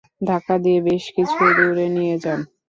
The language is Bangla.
ধাক্কা দিয়ে বেশকিছু দূর নিয়ে যান।